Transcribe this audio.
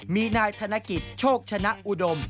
มีนายธนกิจโชคชนะอุดม